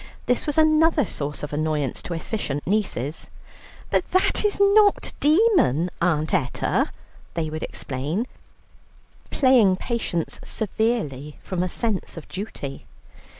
This was another source of annoyance to efficient nieces. "But that is not demon, Aunt Etta," they would explain, playing patience severely from a sense of duty.